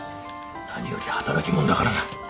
何より働き者だからな。